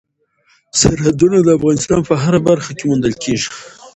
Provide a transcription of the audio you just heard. سرحدونه د افغانستان په هره برخه کې موندل کېږي.